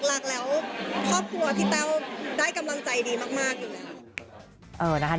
หลักแล้วครอบครัวพี่แต้วได้กำลังใจดีมากอยู่แล้ว